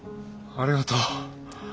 ありがとう。